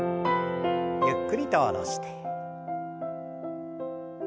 ゆっくりと下ろして。